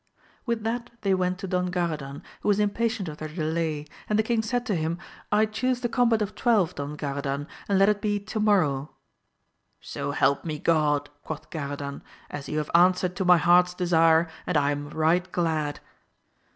With that they went to Don Garadan, who was AMADIS OF GAUL, 247 impatient of their delay, and the king said to him, I chuse the combat of twelve Don Graradan, and let it be to morrow. So help me God, quoth Garadan, as you have answered to my heart's desire, and I am right glad.